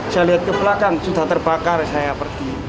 saya lihat ke belakang sudah terbakar saya pergi